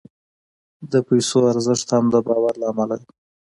د پیسو ارزښت هم د باور له امله دی.